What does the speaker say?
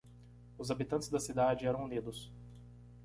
Os habitantes da cidade eram unidos.